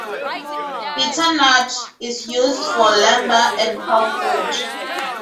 Bitternut is used for lumber and pulpwood.